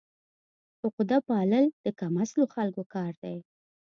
عقده پالل د کم اصلو خلکو کار دی.